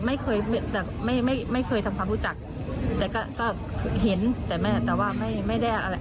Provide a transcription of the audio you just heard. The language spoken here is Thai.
ไม่เคยแต่ไม่ไม่ไม่เคยทำความรู้จักแต่ก็ก็เห็นแต่แม่แต่ว่าไม่ไม่ได้อะไร